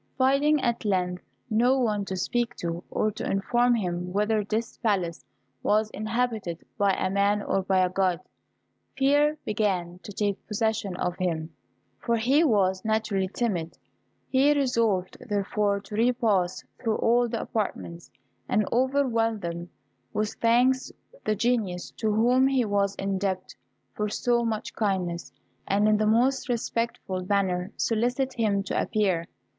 Finding at length no one to speak to, or to inform him whether this palace was inhabited by a man or by a God, fear began to take possession of him, for he was naturally timid. He resolved, therefore, to repass through all the apartments, and overwhelm with thanks the Genius to whom he was indebted for so much kindness, and in the most respectful manner solicit him to appear.